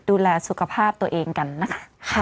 ดูแลสุขภาพตัวเองกันนะคะ